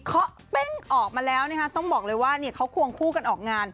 เขาเป้งออกมาแล้วนะคะต้องบอกเลยว่าเขาควงคู่กันออกงาน